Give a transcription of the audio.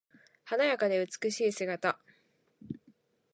華やかで美しい姿。